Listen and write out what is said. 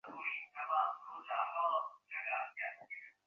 আর কখনোই আমি তোমাকে দেখতে চাই না।